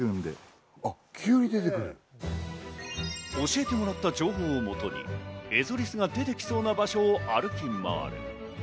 教えてもらった情報をもとにエゾリスが出てきそうな場所を歩き回る。